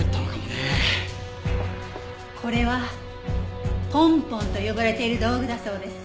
これはポンポンと呼ばれている道具だそうです。